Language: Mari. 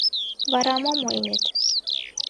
— Вара мом ойлет?